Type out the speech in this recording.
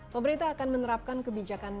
pemerintah akan menerapkan kebijakan